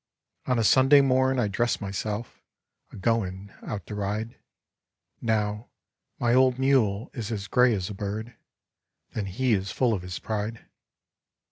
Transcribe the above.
On a Sunday morn I dress myself, A goin' out to ride; Now, my old mule is as gray as a bird, Then he is full of his pride.